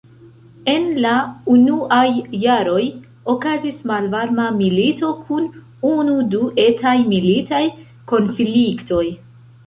En la unuaj jaroj okazis malvarma milito kun unu-du etaj militaj konfliktoj.